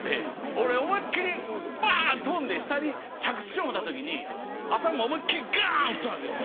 俺思いっきりバーッ飛んで下に着地しよう思ったときに頭思いっきりガーン打ったんですよ。